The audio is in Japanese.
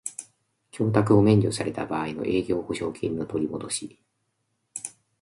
供託を免除された場合の営業保証金の取りもどし